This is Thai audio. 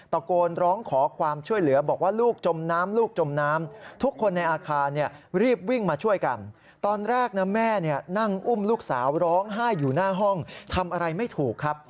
ตะโกนร้องขอความช่วยเหลือบอกว่าลูกจมน้ำลูกจมน้ำ